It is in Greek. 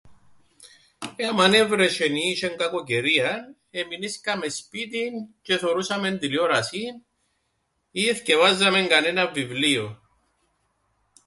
Ε, άμαν έβρεσ̆εν ή είσ̆εν κακοκαιρίαν, εμεινίσκαμεν σπίτιν τζ̆ι εθωρούσαμεν τηλεόρασην, ή εθκιεβάζαμεν κανέναν βιβλίον.